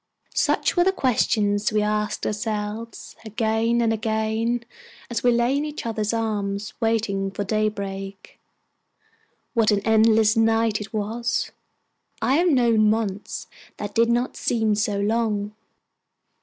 Such were the questions we asked ourselves again and again, as we lay in each other's arms waiting for daybreak. What an endless night it was! I have known months that did not seem so long.